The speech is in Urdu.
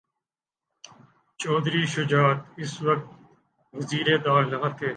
چوہدری شجاعت اس وقت وزیر داخلہ تھے۔